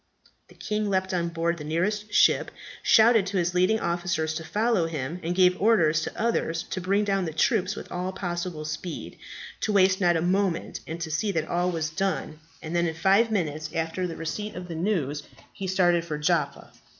The king leaped on board the nearest ship, shouted to his leading officers to follow him, and gave orders to others to bring down the troops with all possible speed, to waste not a moment, and to see that all was done, and then, in five minutes after the receipt of the news he started for Jaffa.